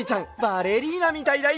バレリーナみたいだＹＯ！